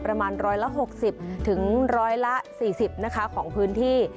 ประมาณร้อยละ๖๐๔๐ของพื้นที่